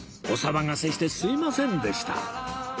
お騒がせしてすみませんでした